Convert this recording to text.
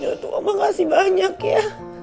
ya tuhan makasih banyak ya